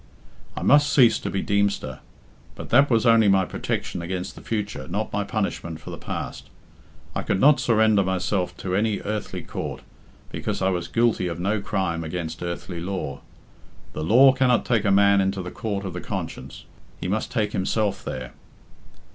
I must cease to be Deemster. But that was only my protection against the future, not my punishment for the past. I could not surrender myself to any earthly court, because I was guilty of no crime against earthly law. The law cannot take a man into the court of the conscience. He must take himself there."